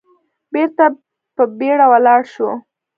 بېرته په بيړه ولاړ شو.